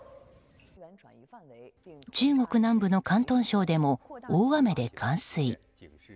中国南部の広東省でも大雨で冠水。